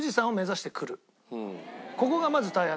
ここがまず大変。